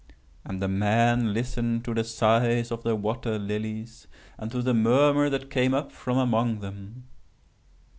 And the man listened to the sighs of the water lilies, and to the murmur that came up from among them.